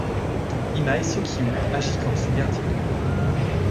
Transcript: Imai Sōkyū agit comme son gardien.